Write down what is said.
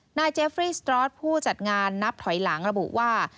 นายเจฟรีสตรอสผู้จัดงานนับถอยหลังระบุว่า